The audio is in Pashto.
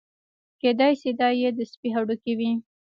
کېدای شي دا یې د سپي هډوکي وي.